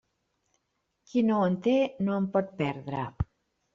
Qui no en té, no en pot perdre.